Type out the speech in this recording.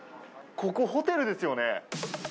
ここ、ホテルですよね。